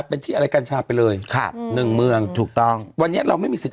เป็นที่อะไรกัญชาไปเลยครับหนึ่งเมืองถูกต้องวันนี้เราไม่มีสิทธิ